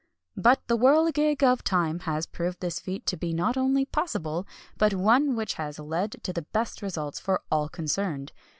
But the whirligig of time has proved this feat to be not only possible, but one which has led to the best results for all concerned.